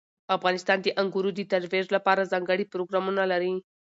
افغانستان د انګورو د ترویج لپاره ځانګړي پروګرامونه لري.